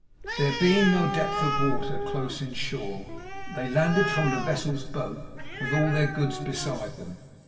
There being no depth of water close in shore, they landed from the vessel's boat, with all their goods beside them.